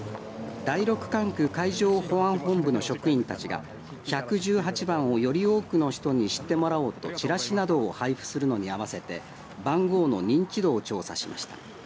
第６管区海上保安本部の職員たちが１１８番をより多くの人に知ってもらおうとチラシなどを配布するのに合わせて番号の認知度を調査しました。